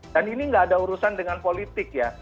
dan ini nggak ada urusan dengan politik ya